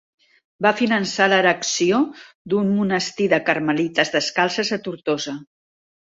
Va finançar l'erecció d'un monestir de carmelites descalces a Tortosa.